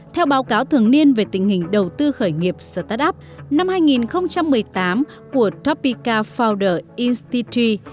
theo báo cáo thường niên về tình hình đầu tư khởi nghiệp start up năm hai nghìn một mươi tám của topeeka founder instattg